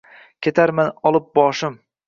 Ketarman olib boshim!